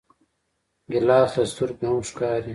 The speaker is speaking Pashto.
ګیلاس له سترګو هم ښکاري.